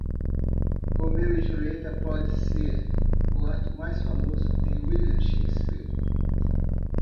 Romeu e Julieta pode ser o ato mais famoso de William Shakespeare.